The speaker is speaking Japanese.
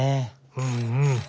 うんうん。